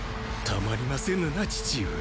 たまりませぬな父上。